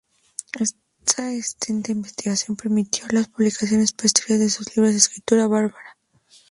Esta extensa investigación le permitió las publicaciones posteriores de sus libros "La escritura bárbara.